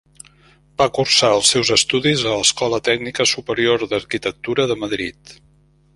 Va cursar els seus estudis a l'Escola Tècnica Superior d'Arquitectura de Madrid.